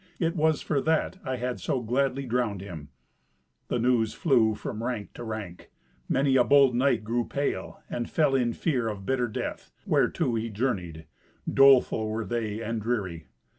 It was for that I had so gladly drowned him." The news flew from rank to rank. Many a bold knight grew pale, and fell in fear of bitter death, whereto he journeyed. Doleful were they and dreary.